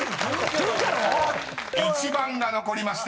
［１番が残りました。